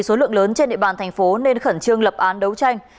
số lượng lớn trên địa bàn thành phố nên khẩn trương lập án đấu tranh